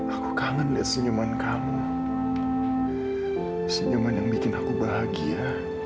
aku kangen lihat senyuman kamu senyuman yang bikin aku bahagia